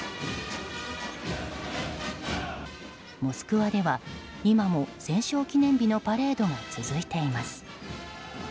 モスクワでは今も戦勝記念日のパレードが続いています。